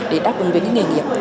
để đáp ứng với cái nghề nghiệp